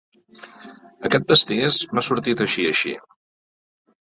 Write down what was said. Aquest pastís m'ha sortit així així.